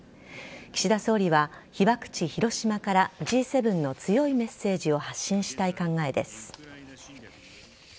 岸田総理は被爆地・広島からＧ７の強いメッセージを発信したい考えです。